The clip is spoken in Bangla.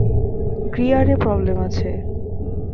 গিয়ারে প্রবলেম আছে।